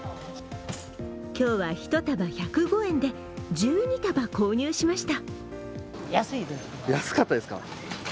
今日は１束１０５円で１２束購入しました。